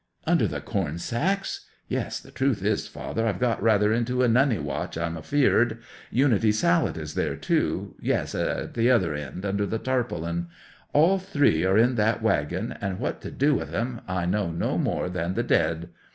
'"Under the corn sacks! Yes, the truth is, father, I've got rather into a nunny watch, I'm afeard! Unity Sallet is there too—yes, at the other end, under the tarpaulin. All three are in that waggon, and what to do with 'em I know no more than the dead!